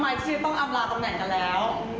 อาชีพต้องอำลาตำแหน่งกันแล้ว